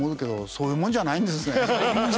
そういうもんじゃないんですよ。